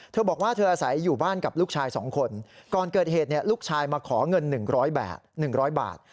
เธอบอกว่าเธออาศัยอยู่บ้านกับลูกชาย๒คนก่อนเกิดเหตุลูกชายมาขอเงิน๑๐๐บาท๑๐๐บาท